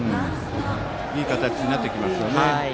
いい形になってきましたね。